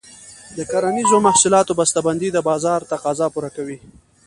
د کرنیزو محصولاتو بسته بندي د بازار تقاضا پوره کوي.